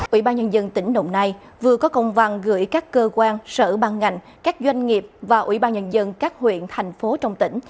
ủy ban nhân dân tỉnh đồng nai vừa có công văn gửi các cơ quan sở ban ngành các doanh nghiệp và ủy ban nhân dân các huyện thành phố trong tỉnh